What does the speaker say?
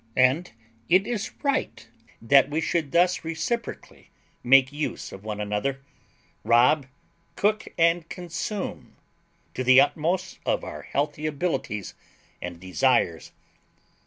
And it is right that we should thus reciprocally make use of one another, rob, cook, and consume, to the utmost of our healthy abilities and desires.